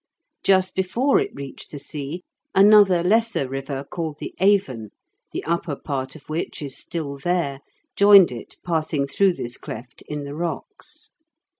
Just before it reached the sea, another lesser river, called the Avon, the upper part of which is still there, joined it passing through this cleft in the rocks.